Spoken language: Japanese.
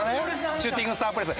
シューティングスタープレス。